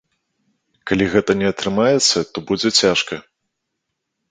Калі гэта не атрымаецца, то будзе цяжка.